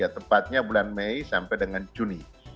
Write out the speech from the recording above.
tepatnya bulan mei sampai dengan juni